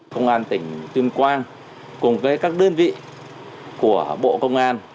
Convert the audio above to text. công an tỉnh tuyên quang cùng với các đơn vị của bộ công an